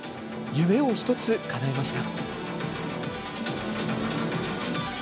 夢を１つ、かなえました。